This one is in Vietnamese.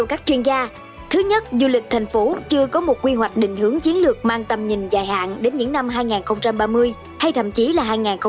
chưa có một quy hoạch định hướng chiến lược mang tầm nhìn dài hạn đến những năm hai nghìn ba mươi hay thậm chí là hai nghìn năm mươi